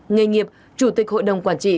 nghề nghiệp chủ tịch hội đồng quản trị